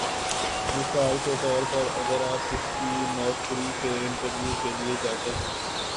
مثال کے طور پر اگر آپ کسی نوکری کے انٹرویو کے لیے جاتے ہیں